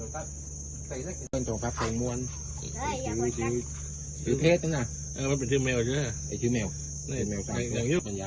โบราศัทรีย์โบราศัทรีย์